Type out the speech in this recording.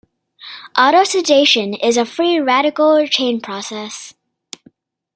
Autoxidation is a free radical chain process.